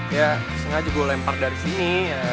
ya sengaja gue lempar dari sini